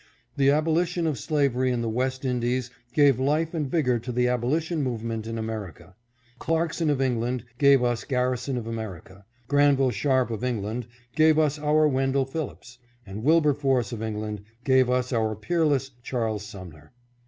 The abolition of slavery in the West Indies gave life and vigor to the abolition movement in America. Clarkson of England gave us Garrison of America ; Gran ville Sharpe of England gave us our Wendell Phillips ; and Wilberforce of England gave us our peerless Charles Sumner.